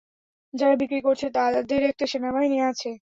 যারা বিক্রি করছে তাদের একটি সেনাবাহিনী আছে।